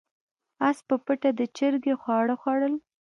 اس په پټه د چرګې خواړه خوړل.